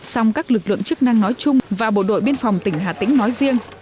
song các lực lượng chức năng nói chung và bộ đội biên phòng tỉnh hà tĩnh nói riêng